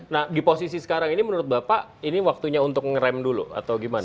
nah di posisi sekarang ini menurut bapak ini waktunya untuk ngerem dulu atau gimana